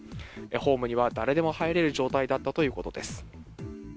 ホームには誰でも入れる状態だったということです。